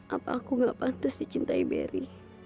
apa aku gak pantas dicintai berry